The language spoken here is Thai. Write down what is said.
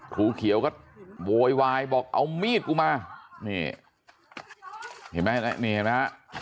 ทูเขียวก็โวยวายบอกเอามีดกูมานี่เห็นไหมนะ